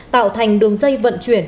tạo thành đường dây vận chuyển